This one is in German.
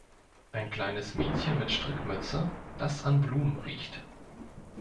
Ein kleines Mädchen mit Strickmütze, das an Blumen riecht.